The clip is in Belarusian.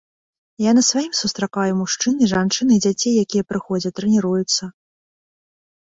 Я на сваім сустракаю і мужчын, і жанчын, і дзяцей, якія прыходзяць, трэніруюцца.